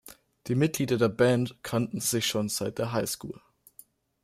Die Mitglieder der Band kannten sich schon seit der High School.